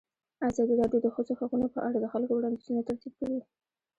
ازادي راډیو د د ښځو حقونه په اړه د خلکو وړاندیزونه ترتیب کړي.